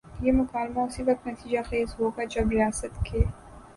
یہ مکالمہ اسی وقت نتیجہ خیز ہو گا جب ریاست کے